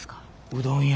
うどん屋。